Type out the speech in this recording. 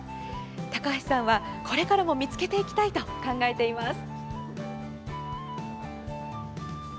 高橋さんは、これからも見つけていきたいと考えています。